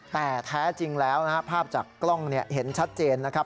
แต่แท้จริงแล้วนะครับภาพจากกล้องเห็นชัดเจนนะครับ